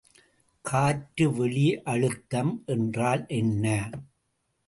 காற்றுவெளி அழுத்தம் என்றால் என்ன?